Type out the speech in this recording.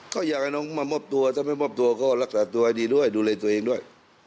ก็อยากให้น้องมามอบตัวถ้าไม่มอบตัวก็รักษาตัวให้ดีด้วยดูแลตัวเองด้วย